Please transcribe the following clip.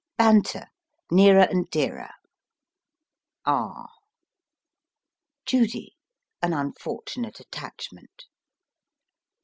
R. Nearer and Dearer R. An Unfortunate Attachment